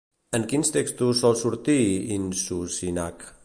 En quins textos sol sortir Inshushinak?